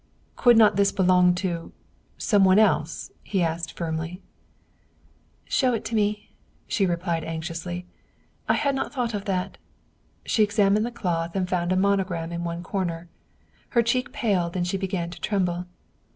" Could not this belong to some one else ?" he asked firmly. " Show it to me," she replied anxiously. " I had not thought of that." She examined the cloth and found a monogram in one corner. Her cheek paled and she began to tremble.